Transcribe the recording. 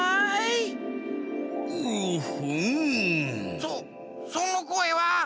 そそのこえは。